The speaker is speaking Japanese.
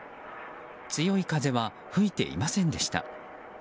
強い風は吹いていませんでした。